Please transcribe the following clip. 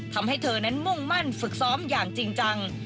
ทำให้เธอนั้นมุ่งมั่นฝึกซ้อมอย่างจริงจัง